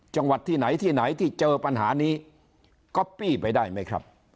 จังหวัดที่ไหนที่ไหนที่เจอปัญหานี้ก๊อปปี้ไปได้ไหมครับ